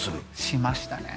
しましたね